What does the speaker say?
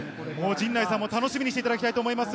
陣内さんも楽しみにしていただきたいと思います。